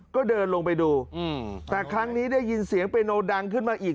ก็เดินลงไปดูแต่ครั้งนี้ได้ยินเสียงเปโนดังขึ้นมาอีก